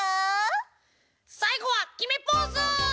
さいごはきめポーズ！